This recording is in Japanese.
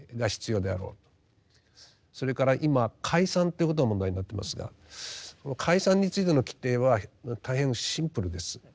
それから今解散ということが問題になってますがこの解散についての規定は大変シンプルです。